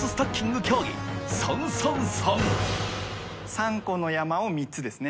３個の山を３つですね。